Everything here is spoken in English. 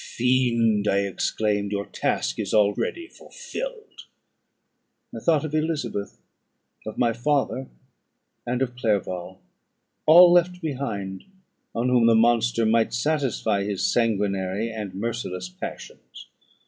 "Fiend," I exclaimed, "your task is already fulfilled!" I thought of Elizabeth, of my father, and of Clerval; all left behind, on whom the monster might satisfy his sanguinary and merciless passions.